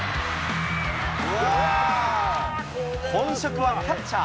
本職はキャッチャー。